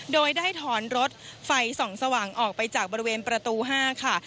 โดยได้ถอนรถไฟส่องสว่างออกไปจากบริเวณประตู๕ค่ะ